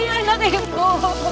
selly anak ibu